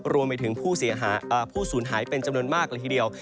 รวมไปถึงผู้สูญหายเป็นจำนวนมากเลยทีเดียว